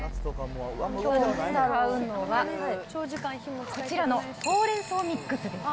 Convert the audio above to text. きょう使うのは、こちらのほうれん草ミックスです。